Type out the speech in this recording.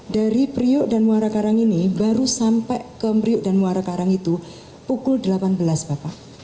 dari priok dan muara karang ini baru sampai ke priuk dan muara karang itu pukul delapan belas bapak